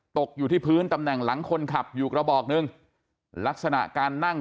ตกอยู่ที่พื้นตำแหน่งหลังคนขับอยู่กระบอกหนึ่งลักษณะการนั่ง